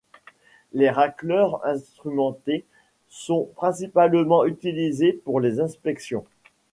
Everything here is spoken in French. Les racleurs instrumentés sont principalement utilisés pour les inspections.